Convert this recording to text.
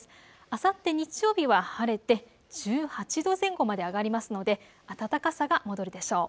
あさって日曜日は晴れて１８度前後まで上がりますので暖かさが戻るでしょう。